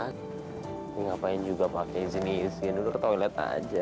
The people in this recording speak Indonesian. ini ngapain juga pakai sini dulu ke toilet aja